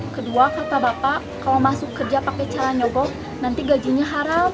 kedua kata bapak kalau masuk kerja pakai cara nyogok nanti gajinya haram